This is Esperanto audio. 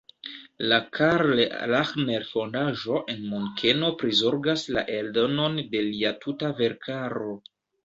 La Karl-Rahner-Fondaĵo en Munkeno prizorgas la eldonon de lia tuta verkaro.